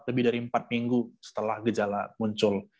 lebih dari empat minggu setelah gejala muncul